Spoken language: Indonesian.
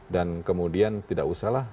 dan kemudian tidak usahlah